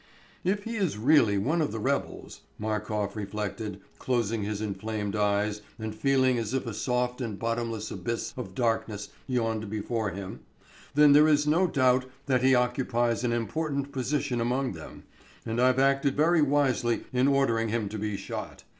"If he is really one of the rebels," Markof reflected, closing his inflamed eyes, and feeling as if a soft and bottomless abyss of darkness yawned before him, "then there is no doubt that he occupies an important position among them, and I've acted very wisely in ordering him to be shot.